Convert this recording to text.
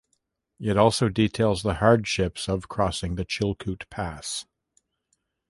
It also details the hardships of crossing the Chilkoot Pass.